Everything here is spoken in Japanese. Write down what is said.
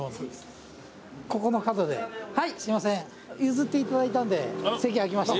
譲っていただいたんで席空きました。